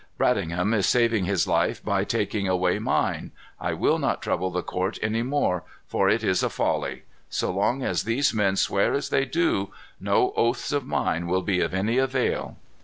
Bradingham is saving his life by taking away mine. I will not trouble the court any more, for it is a folly. So long as these men swear as they do, no oaths of mine will be of any avail."